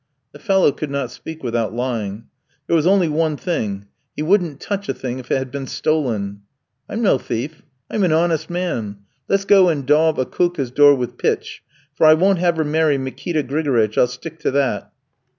The fellow could not speak without lying. There was only one thing. He wouldn't touch a thing if it had been stolen. 'I'm no thief, I'm an honest man. Let's go and daub Akoulka's door with pitch, for I won't have her marry Mikita Grigoritch, I'll stick to that.'